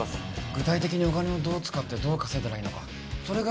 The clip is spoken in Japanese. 具体的にお金をどう使ってどう稼いだらいいのかそれが伝えられたらいいのかも